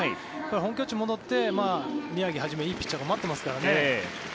本拠地に戻って宮城はじめ、いいピッチャーが待っていますからね。